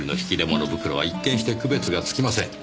物袋は一見して区別がつきません。